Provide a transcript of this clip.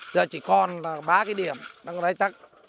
giờ chỉ còn là ba cái điểm đang rái tắc